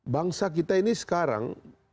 bangsa kita ini sekarang